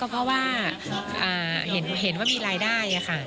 เพราะว่าเห็นว่ามีรายได้ค่ะ